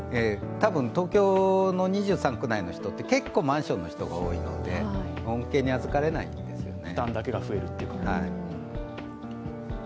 東京の２３区内の人って結構、マンションの人が多いので恩恵に預かれないんですよね。